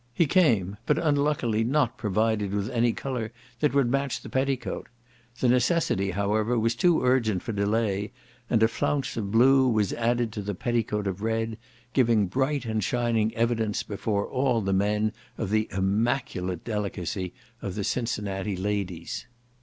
He came, but unluckily not provided with any colour that would match the petticoat; the necessity, however, was too urgent for delay, and a flounce of blue was added to the petticoat of red, giving bright and shining evidence before all men of the immaculate delicacy of the Cincinnati ladies.